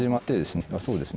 そうですね。